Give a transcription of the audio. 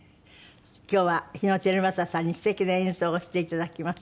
今日は日野皓正さんに素敵な演奏をして頂きます。